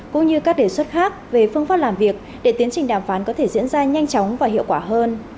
cũng như các đề xuất khác về phương pháp làm việc để tiến trình đàm phán có thể diễn ra nhanh chóng và hiệu quả hơn